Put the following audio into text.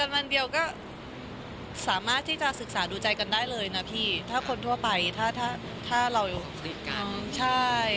ไม่ติดค่ะไม่ติดแต่เราก็ไม่ได้ไปยุ่งเรื่องส่วนตัวเขาใช่